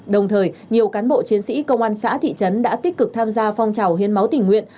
đồng thời nhiều cán bộ chiến sĩ công an xã thị trấn đã tích cực tham gia phong trào hiến máu tình nguyện